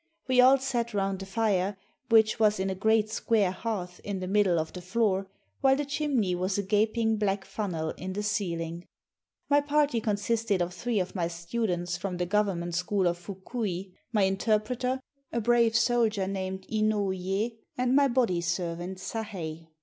We all sat round the fire, which was in a great square hearth in the middle of the floor, while the chimney was a gaping black funnel in the ceiling. My party consisted of three of my students from the government school of Fukui, my interpreter, a brave soldier named Inouyé, and my body servant Sahei.